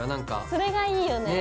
それがいいよね。